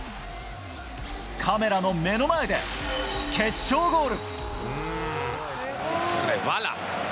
カメラの目の前で決勝ゴール。